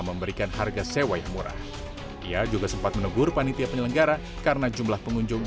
memberikan harga sewa yang murah ia juga sempat menegur panitia penyelenggara karena jumlah pengunjung